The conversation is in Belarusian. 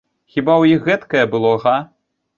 Хіба ў іх гэткае было, га?